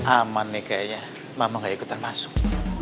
aman nih kayaknya mama gak ikutan masuk